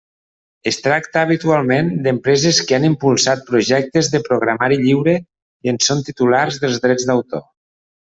Es tracta, habitualment, d'empreses que han impulsat projectes de programari lliure i en són titulars dels drets d'autor.